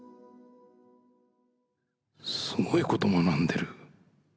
すごいこと学んでる。